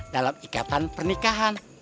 dalam ikatan pernikahan